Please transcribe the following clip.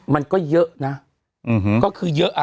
มันก็เยอะนะก็คือเยอะอ่ะ